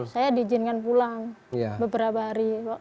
saya diizinkan pulang beberapa hari